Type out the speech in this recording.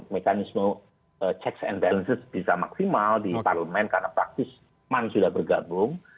mekanisme checks and balances bisa maksimal di parlemen karena praktis pan sudah bergabung